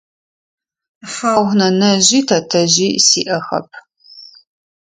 Хьау, нэнэжъи тэтэжъи сиӏэхэп.